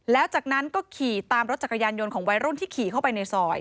แล้วจากนั้นก็ขี่ตามรถจักรยานยนต์ของวัยรุ่นที่ขี่เข้าไปในซอย